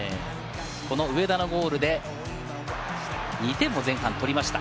上田のゴールで２点を前半取りました。